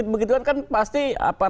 begituan kan pasti